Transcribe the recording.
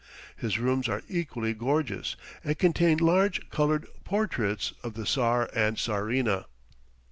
His rooms are equally gorgeous, and contain large colored portraits of the Czar and Czarina.